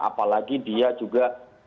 apalagi dia juga